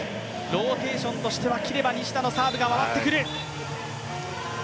ローテーションとしては切れば西田のサーブが回ってくる。